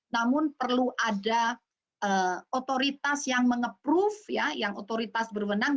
namun perlu ada otoritas yang mengeprove ya yang otoritas berwenang